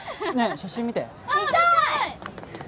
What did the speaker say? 写真見て見たーい！